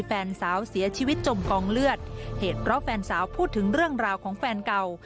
แฟนสาวเสียชีวิตจมกองเลือดเหตุเพราะแฟนสาวพูดถึงเรื่องราวของแฟนเก่า